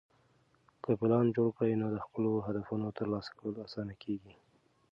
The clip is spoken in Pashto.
که پلان جوړ کړې، نو د خپلو هدفونو ترلاسه کول اسانه کېږي.